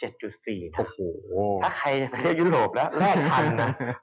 ถ้าใครจะไปเที่ยวยุโรปแล้วแลกทัน